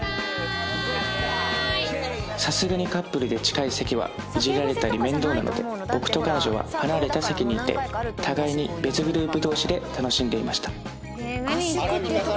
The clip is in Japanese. さすがにカップルで近い席はイジられたり面倒なので僕と彼女は離れた席にいて互いに別グループ同士で楽しんでいました